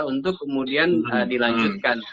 untuk kemudian dilanjutkan